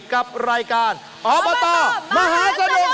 กับรายการอบตมหาสนุก